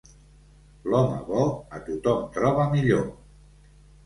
L'home bo a tothom troba millor.